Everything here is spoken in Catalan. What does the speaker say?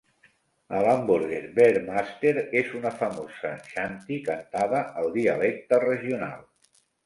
El Hamborger Veermaster és una famosa Shanty cantada al dialecte regional.